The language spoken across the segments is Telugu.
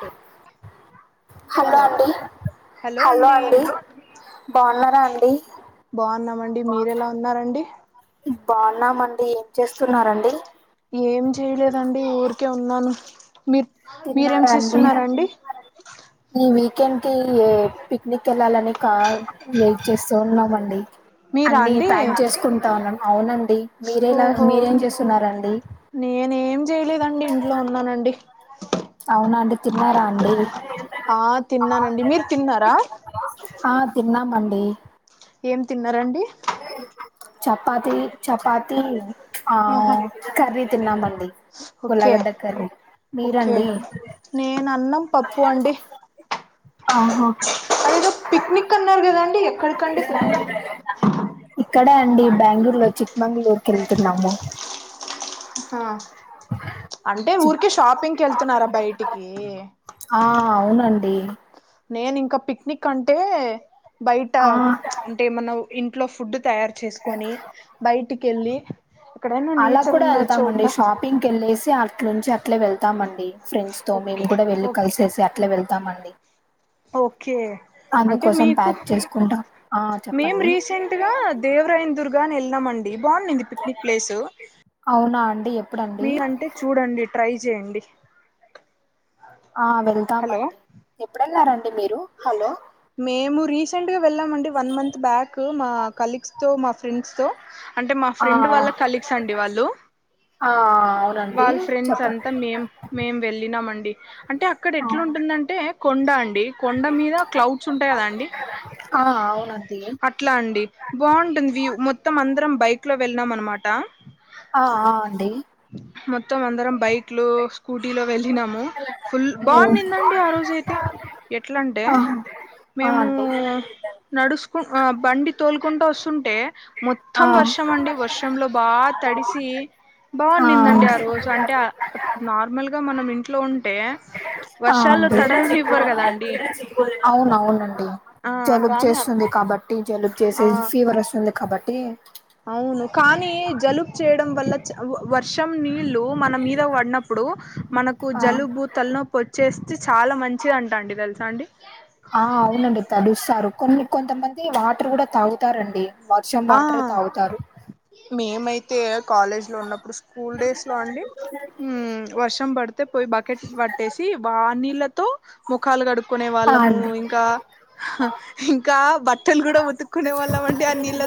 తు హలో అండి హలో అండి బాగున్నారా అండి బాగున్నామండి మీరెలా ఉన్నారండి బాగున్నామండి ఏం చేస్తున్నారండి ఏం చేయలేదండి ఊరికే ఉన్నాను మీరు మీరేం తిన్నారా అండి చేస్తున్నారండి ఈ వీకెండ్ కి ఏ పిక్నిక్ వెళ్లాలని కా టయిట్ చేస్తూ ఉన్నామండి మీరా అన్ని అండి ప్యాక్ చేసుకుంటా ఉన్నాను అవునండి మీరేలా ఓహో మీరేం చేస్తున్నారండి నేనేం చేయలేదండి ఇంట్లో ఉన్నానండి అవునా అండి తిన్నారా అండి ఆ తిన్నానండి మీరు తిన్నారా ఆ తిన్నామండి ఏం తిన్నారండి చపాతి చపాతి ఆ ఆహా కర్రీ తిన్నామండి ఓకే ఉల్లాగడ్డ కర్రీ మీరండి నేన అన్నం పప్పు అండి ఆహా అదేదో పిక్నిక్ అన్నారు కదాండి ఎక్కడికండి ప్లాన్ ఇక్కడే అండి బెంగళూరు లో చిక్ మంగుళూరు కి ఎళ్తున్నాము ఆమ్ అంటే ఊరికే షాపింగ్కి ఎళ్తున్నారా బయటికి ఆ అవునండి నేను ఇంకా పిక్నిక్ అంటే బయట ఆ అంటే మనం ఇంట్లో ఫుడ్ తయారు చేసుకొని బయటికెళ్ళి ఎక్కడైనా నేచర్ ఉన్న చోట పిక్నిక్ ఇంకెళ్ళేసి అట్లుంచి అట్లే వెళ్తామండి ఫ్రెండ్స్ తో మేము ఓకే కూడా వెళ్లి ఓకే కలిసేసి అట్లా వెళ్తామండి ఓకే అంటే అందుకోసం మీకు ప్యాక్ చేసుకుంటాం ఆ మేం చెప్పండి రీసెంట్గా దేవరాయని దుర్గా అని ఎళ్ళినామండి బాగుందింది పిక్నిక్ ప్లేసు అవునా అండి ఎప్పుడండి మీ అంటే చూడండి ట్రై చేయండి ఆ హలో వెళ్తామండి ఎప్పుడ ఎళ్ళారండి మీరు హలో మేము రీసెంట్ గా వెళ్ళామండి వన్ మంత్ బ్యాక్ మా కలీగ్స్ తో మా ఫ్రెండ్స్ తో అంటే మా ఆ ఫ్రెండ్ వాళ్ళ కలీగ్స్ అండి వాళ్ళు ఆ అవునండి వాళ్ళ ఫ్రెండ్స్ చెప్పండి అంతా మేం మేం వెళ్ళినామండి అంటే అక్కడ ఆ ఎట్లుంటుందంటే కొండ అండి కొండ మీద క్లౌడ్స్ ఉంటాయి కదండి ఆ, అవునండి అక్ అట్లా అండి బావుంటుంది వ్యూ మొత్తం అందరం బైక్ లో వెళ్ళనాం అనమాట ఆ ఆ అండి మొత్తం అందరం బైక్ లు స్కూటీ లో వెళ్ళినాము ఫుల్ బాగుందిందండి ఆ రోజు అయితే ఎట్లా అంటే ఆ ఆ మేము అండి నడుస్కు ఆ బండి తోలుకుంటూ అసుంటే ఆ మొత్తం వర్షం అండి వర్షంలో బాగా తడిసి ఆ బాగుండింది ఆ అండి రోజు సో అంటే నార్మల్గా మనం ఇంట్లో ఉంటే వర్షాల్లో తడవనివ్వరు కదండి అవునవునండి ఆ జలుబు కానీ చేస్తుంది కాబట్టి జలుబు ఆ చేసే ఫీవర్ ఆసుంది కాబట్టి అవును కానీ జలుబు చేయడం వల్ల చ్ వ్ వర్షం నీళ్ళు మన మీద పడినప్పుడు మనకు ఆ జలుబూ తలనొప్పి వచ్చేస్తే చాలా మంచిది అంటా అండి తెలుసా అండి ఆ అవునండి తడుస్తారు కొన్ని కొంతమంది వాటర్ కూడా తాగుతారండి వర్షం వాటరే తాగుతాను మేమైత్ అంతే కాలేజ్ లో ఉన్నప్పుడు స్కూల్ డేస్ లో అండి హమ్ వర్షం పడితే పోయి బకెట్ పట్టేసి వాన్ నీళ్ళతో ముఖాలు కడుకునే ఆ వాళ్ళము అండి ఇంకా ఇంకా బట్టలు కూడా ఉతుక్కునే వాళ్ళం అండి ఆ నీళ్ళ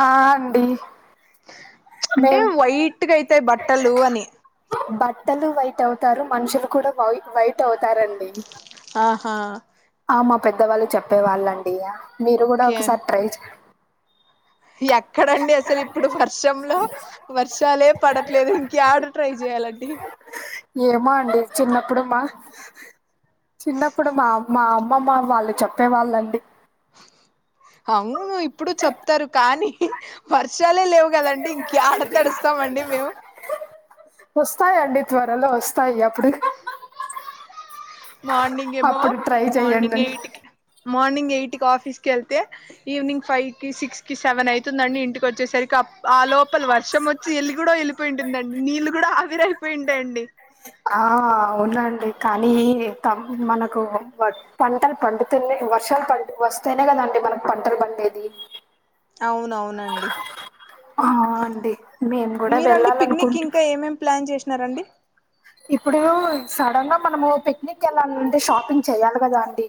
ఆ అండి అంటే మేం వైట్గా అయితాయి బట్టలు అని బట్టలు వైట్ అవుతారు మనుషులు కూడా వై వైట్ అవుతారండి ఆహా ఆ మా పెద్దవాళ్ళు చెప్పేవాళ్ళండి ఆ మీరు కూడా ఓకే ఒకసారి ట్రై చే ఇ ఎక్కడండి అసలు ఇప్పుడు వర్షంలో వర్షాలే పడట్లేదు ఇంక ఏడ ట్రై చెయ్యాలండి ఏమో అండి చిన్నప్పుడు మా చిన్నప్పుడు మా అమ్మా అమ్ మ్మమ్మ వాళ్ళు చెప్పేవాళ్ళండి అవును ఇప్పుడు చెప్తారు కానీ వర్షాలే లేవు కదండి ఇంక యాడ తడుస్తామండి మేము వస్తాయండి త్వరలో వస్తాయి అప్పుడు మార్నింగ్ ఏమో అప్పుడు ట్రై చెయ్యండి మార్నింగ్ ఎయిట్కి మార్నింగ్ ఎయిట్ కి ఆఫీస్ కెళ్తే ఈవినింగ్ ఫైవ్ కి సిక్స్ కి సెవెన్ అయితుందండి ఇంటికి వచ్చేసరికి ఆ లోపల వర్షం వచ్చి చె వెళ్ళి కూడా వెళ్ళిపోయింటందండి నీళ్ళు కూడా అవిరైపోయి ఉంటాయండి ఆ ఆవునాండి కానీ మనకు హోంవర్క్ పంటలు పండుతునే వర్షాలు పండు వస్తేనే కదండి మనకు పంటలు పండేది అవునవునండి ఆ అండి మేము కూడా మీరండి పిక్నిక్ వెళ్ళాలనుకుంటున్నా ఇంకా ఏమేం ప్లాన్ చేసినారండి ఇప్పుడూ సడన్ గా మనము పిక్నిక్ ఎల్లాలంటే షాపింగ్ చెయ్యాలి కదా అండి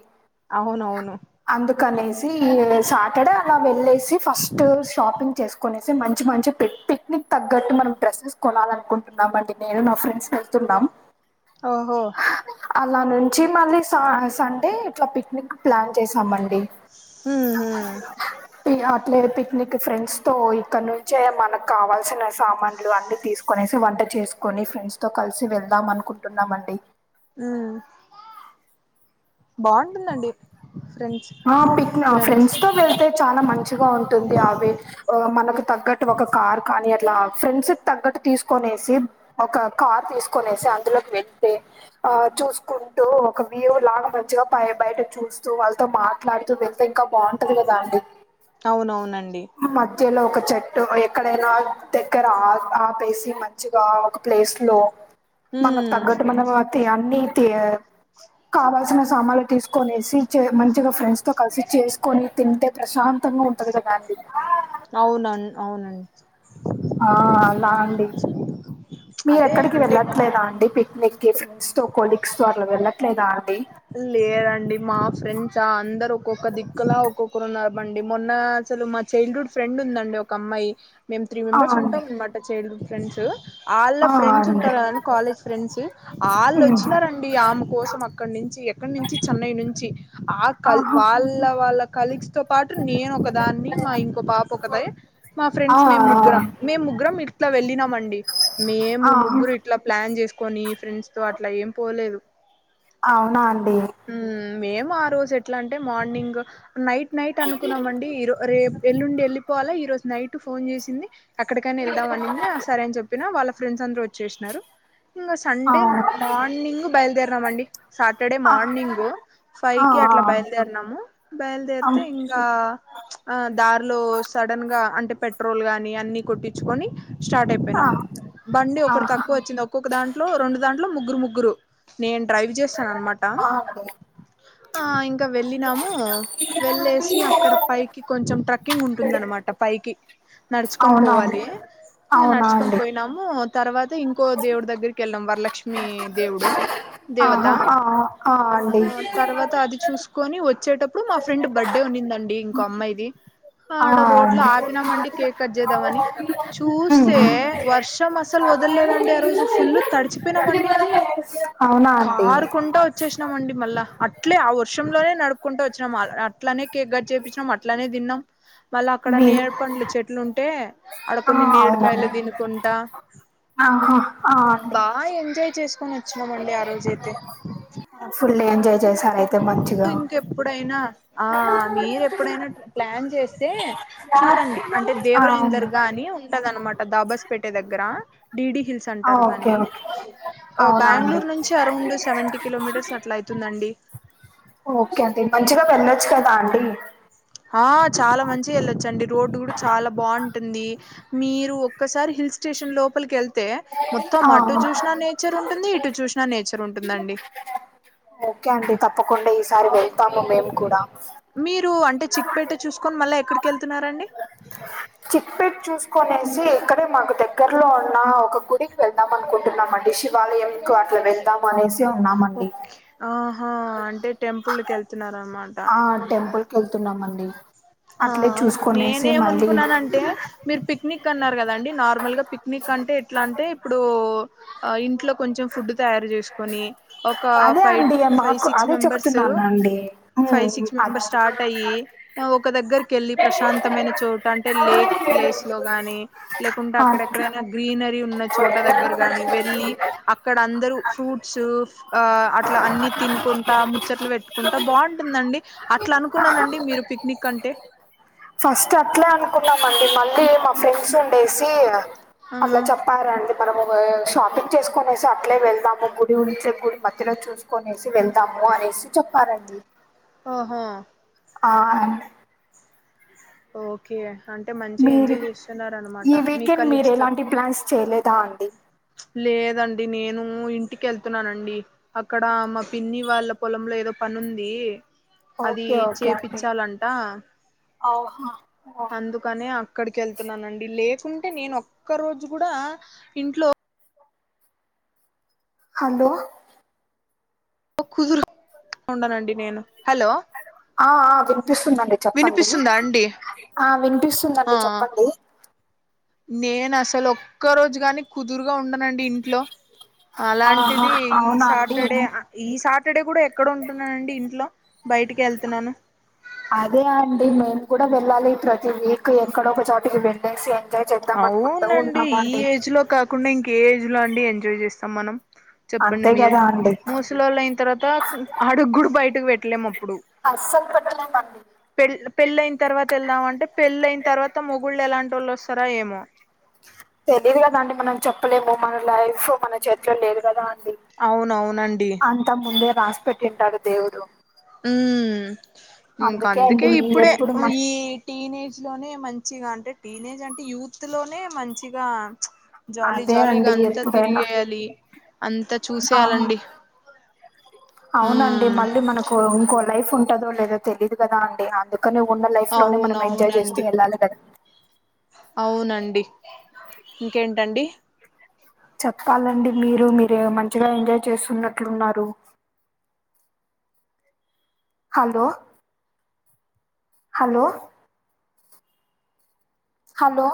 అవునవును అందుకనేసి ఈ సాటర్డే అలా వెళ్ళేసి ఫస్ట్ షాపింగ్ చేసుకునేసి మంచి మంచి పెట్ పిక్నిక్ తగ్గట్టు మనం డ్రెస్సెస్ కొనాలనుకుంటున్నాం అండి నేను నా ఫ్రెండ్స్ వెళ్తున్నాం ఓహో అలా నుంచి మళ్ళీ సా సండే ఇట్లా పిక్నిక్ ప్లాన్ చేసామండి హ అట్లే పిక్నిక్ ఫ్రెండ్స్ తో ఇక్కడ నుంచే మనకు కావాల్సిన సామాన్లు అన్ని తీసుకు కొనేసి వంట చేసుకోని ఫ్రెండ్స్ తో కలిసి వెళ్దాం అనుకుంటున్నామండి హమ్ బావుంటుందండి ఫ్రెండ్స ఆ పిక్ ఫ్రెండ్స్ తో వెళ్తే చాలా మంచిగా ఉంటుంది అవి మనకు తగ్గట్టు ఒక కార్ కానీ అట్లా ఫ్రెండ్స్ తగ్గట్టు తీసుకనేసి ఒక కార్ తీసుకు కొనేసి అందులోకి వెళ్తే ఆ చూసుకుంటూ ఒక వ్యూ లాంగ్ మంచిగా పై బయట చూస్తూ వా మాట్లాడుతూ వెళ్తే ఇంకా బావుంటది కదా అండి అవునవునండి మధ్యలో ఒక చెట్టు ఎక్కడైనా దగ్గర ఆ ఆపేసి మంచిగా ఒక ప్లేస్ లో మనకు ఉమ్ తగ్గట్టు మనం త్ అన్ని కావాల్సిన సామాలు తీసుకొనేసి చేయ్ మ మంచి గా ఫ్రెండ్స్ తో కలిసి చేసుకొని తింటే ప్రశాంతంగా ఉంటది కదా అండి అవునండి అవునండి ఆ అలా అండి మీరు అదే ఎక్కడికి అంటే వెళ్ళట్లేదా అండి పిక్నిక్ ఫ్రెండ్స్ తో కొలీగ్స్ తో అట్లా వెళ్ళట్లేదా అండి లేదండి మా ఫ్రెండ్సా అందరు ఒక్కొక్క దిక్కులా ఒక్కొక్కరు ఉన్నారు ఈమండి మొన్న అసలు మ చైల్డ్ హుడ్ ఫ్రెండ్ ఉందండి ఒక అమ్మాయి మేము త్రీ ఆ మెంబర్స్ అండి ఉంటాం అనమాట చైల్డ్హుడ్ ఫ్రెండ్స్ వాళ్ళ ఆ ఫ్రెండ్స్ అండి ఉంటారు కదండి కాలేజ్ ఫ్రెండ్స్ వాళ్ళు ఉమ్ వచ్చినారండి ఆమె కోసం అక్కడ నుంచి చి ఎక్కడ నుంచి చెన్నై నుంచి అ కల్ ఆహా వాళ్ళ వాళ్ళ కలీగ్స్ తో పాటు నేను ఒకదాన్ని మా ఇంకో పాప ఒకతి మా ఆ ఫ్రెండ్స్ మేము ఆ ముగ్గురం మేము ముగ్గురం ఇట్లా వెళ్ళినం అండి మేము ఆహా ముగ్గురు ఇట్లా ప్లాన్ చేసుకొని ఫ్రెండ్స్ తో అట్లా ఏం పోలేదు అవునా అండి ఊ మేము ఆ రోజు ఎట్లా అంటే మార్నింగ్ నైట్ నైట్ అనుకున్నాము అండి ఇరో రేపు ఏల్లుండి వెళ్ళిపోవాలా ఈ రోజు నైట్ ఫోన్ చేసింది ఎక్కడికైనా వెళ్దాం అనింది అ సరే అని చెప్పినా వాళ్ళ ఫ్రెండ్స్ అందరు వచ్చేసినారు ఇంగ ఆ సండే మార్నింగ్ బయలుదేరినాం అండి సాటర్డే ఆ మార్నింగ్ ఫైవ్ ఆ కి అట్లా బయలుదేరినాము ఆ బయలుదేరితే ఇ ఇంగా ఆ దారిలో సడన్ గా అంటే పెట్రోల్ గాని అన్ని కొట్టించుకొని స్టార్ట్ ఆ అయిపోయినాము బండి ఒకరు ఆహా తక్కువ వచ్చింది ఒక ఒక్కొక దాంట్లో రెండు దాంట్లో ముగ్గురు ముగ్గురు నేను డ్రైవ్ చేస్తాను అన్నమాట ఆ అండి ఆ ఇంకా వెళ్ళినాము వెళ్ళేసి అక్కడ పైకి కొంచెం ట్రక్కింగ్ ఉంటుంది అనమాట పైకి నడుచుకొని అవునా అండి పోవాలి ఇంగ అవునా నడుచుకొని అండి పోయినా ఉ తర్వాత ఇంకో దేవుడి దగ్గరికి వెళ్ళాం వరలక్ష్మి దేవుడు దేవత ఆహా ఆ ఆ అండి ఆ తర్వాత అది చూసుకొని వచ్చేటప్పుడు మా ఫ్రెండ్ బర్త్డే ఉన్నిందండి ఇంకో అమ్మాయిది ఆ ఆడ రోడ్ లో అండి ఆపినామండి కేక్ కట్ చేద్దామ అని ఉమ్ చూస్తే వర్షం అసలు వదలేదండి ఆ రోజు ఫుల్ తడిచిపోయినామండి అవునా అండి కారు కుంటా వచ్చేసినాం అండి మళ్ళా అట్లే ఆ వర్షంలోనే నడుపుకుంట వచ్చినాం అట్లానే కేక్ కట్ చేపించినాం అట్లనే తిన్నాం మళ్ళా అక్కడ మీ నేరేడు పండ్లు చెట్లు ఉంటే అక్కడ ఆ కొన్ని నేరెడుకాయలు తినుకుంటా ఆహ ఆ ఆ బా ఎంజాయ్ చేసుకొని వచ్చినాము అండి ఆ రోజు ఫుల్ ఎంజాయ్ చేశారు అయి ఇప్పుడు ఇంకెప్పుడైనా ఆ మీరూ ఎప్పుడైనా ప్లాన్ చేస్తే చూడండి అంటే ఆ దేవరాయం అవును దర్గా అని ఉంటద అనమాట దాబాస్పేట దగ్గర డిడీ హిల్స్ ఆ సెంటర్ ఓకే దాన్ని ఓకే అవునా అండి బెంగళూరు నుంచి అరౌండ్ సెవెంటీ కిలోమీటర్స్ అట్ల అయతుందండి ఓకే అండి మంచిగా వెళ్ళొచ్చు కదా అండి ఆ చాలా మంచిగా వెళ్ళొచ్చండి రోడ్డు కూడా చాలా బాగుంటుంది మీరు ఒక్కసారి హిల్ స్టేషన్ లోపలికి ఎళ్ తే మొత్తం అటు ఆ చూసినా నేచర్ ఉంటుంది ఇటు చూసినా నేచర్ ఉంటుందండి ఓకే అండి తప్పకుండా ఈసారి వెళ్తాము మేము కూడా మీరు అంటే చిక్పేట్ చూసుకొని మళ్ళీ ఎక్కడికి వెళ్తున్నారండి చిట్పేట్ చూసుకునేసి ఇక్కడే మాకు దగ్గరలో ఉన్న ఒక గుడికి వెళ్దాం అనుకుంటున్నాం అండి శివాలయం కు అట్లా వెళ్దాం అనేసి ఉన్నామండి ఓకే ఆహా అంటే టెంపుల్కి వెళ్తున్నార అనమాట ఆ టెంపుల్కి వెళ్తున్నామండి హా అట్లే చూసుకొనేసి మళ్ళీ నేనేమనుకున్నానంటే మీరు పిక్నిక్ అన్నారు కదండి నార్మల్గా పిక్నిక్ అంటే ఎట్లా అంటే ఇప్పుడు ఆ ఇంట్లో కొంచెం ఫుడ్ తయారు చేసుకొని ఒక అదే ఫైవ్ అండి ఫైవ్ మాకు సిక్స్ అదే మెంబర్సు చెప్తున్నానండి ఫైవ్ ఉమ్, సిక్స్ అట్- మెంబర్స్ స్టార్ట్ అయ్యి ఒక దగ్గరికి వెళ్ళి ప్రశాంతమైన చోటా అంటే లేక్ ప్లేస్లో గాని లేకుంటే అక్కడ అట్లా ఎక్కడైనా గ్రీనరీ ఉన్న చోట దగ్గర గాని వెళ్లి అక్కడ అందరూ ఫ్రూట్సు ఆ అట్లా అన్ని తినుకుంటా ముచ్చట్లు పెట్టుకుంటా బాగుంటుందండి. అట్లా అనుకున్నానండి మీరు పిక్నిక్ అంటే ఫస్ట్ అట్లే అనుకున్నామండి మళ్ళీ మా ఫ్రెండ్స్ ఉండేసి ఆ అట్లా చప్ ప్పరండి మనము షాపింగ్ చేసుకొనేసి అట్లే వెళ్దాము ఇప్పుడు చెప్ గుడి మధ్యలో చూస్కోనేసి వెళ్తాము అనేసి చెప్పారండి. ఓహా ఆన్స్ ఓకే అంటే మంచిగా మీరు ఎంజాయ్ చేస్తున్నారా అనమాట మీ కలీగ్స్తో. అడ్వాన్స్ చేయలేదా అండి చ్ లేదండి నేను ఇంటికి వెళ్తున్నానండి అక్కడ మా పిన్ని వాళ్ళ పొలంలో ఏదో పనుంది అది ఓకే చేపిచ్చలంటా ఔహా అందుకని అక్కడికి వెళ్తున్నానండి లేకుంటే నేను ఒక్క రోజు కూడా ఇంట్లో హలో కుదురు ఉన్నానండి నేను హలో అ ఆ వినిపిస్తుందండి చెప్పండి వినిపిస్తుందా అండి ఆ వినిపిస్తుందండి ఆ చెప్పండి. నేను అసలు ఒక్క రోజు గాని కుదురుగా ఉండనండి ఇంట్లో. ఆహా అలాంటిది ఈ అవునా అండి సాటర్డే అ ఈ సాటర్డే కూడా ఎక్కడుంటున్నానండి ఇంట్లో బయటికే వెళ్తున్నాను. అదే అండి మేము కూడా వెళ్ళాలి ప్రతి వీకు ఎక్కడొ ఒక చోటికి వెళ్ళేసి. ఎంజాయ్ చేద్దాం అనుకుంటూ అవునండి ఈ ఉన్నామండి ఏజ్లో కాకుండా ఇంక ఏ ఏజ్లో అండి ఎంజాయ్ చేస్తాం మనం. చెప్పండి అంతే మీరే కదా అండి మూసలోళ్ళు అయిన తర్వాత అడుగుడు బయటకి పెట్టలేము అప్పుడు. అసలు పెట్టాలెండి అప్పుడు పెళ్ పెళ్ళి అయిన తర్వాత యెల్దం అంటే పెళ్ళైయిన తర్వాత మొగుళ్ళు ఎలాంటి టోళ్ళు వొస్తారో ఏమో. తెలియదు కదా అండి మనం చెప్పలేము మన లైఫు మన చేతిలో లేదు కదా అండి. అవునవును అండి అంతా ముందే రాసి పెట్టింటారు దేవుడు ఉ ఇంకా అందుకే అండి ఇప్పుడే ఎప్పుడు వు మ ఈ టీనేజ్లోనే మంచిగా అంటే టీనేజ్ అంటే యూత్లోనే మంచిగా చ్ జాలీ అదే జాలీగా అండి అంతా ఎప్పుడైనా తిరిగేయాలి అంతా ఆ చూసేయాలండి. అవునండి ఉమ్ మళ్ళీ మనకు ఇంకో లైఫ్ ఉంటాదో లేదో తెలీదు కదా అండి అందుక్ కనే ఉన్న లైఫ్లోనే మనం ఎంజాయ్ చేస్తూ అవునవునండి వెళ్లాలి కదా. అవునండి ఇంకేంటండి చెప్పాలండి మీరు మీరు మంచిగా ఎంజాయ్ చేస్తున్నట్లు ఉన్నారు. Hello hello hello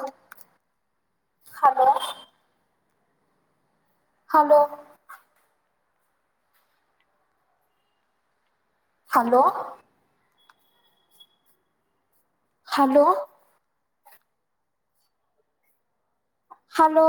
hello hello. Hello. Hello. Hello.